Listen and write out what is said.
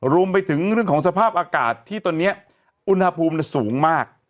รวมไปถึงเรื่องของสภาพอากาศที่ตอนนี้อุณหภูมิสูงมาก